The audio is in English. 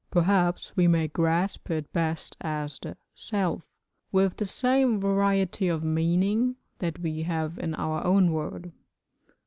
Perhaps we may grasp it best as the 'self,' with the same variety of meaning that we have in our own word.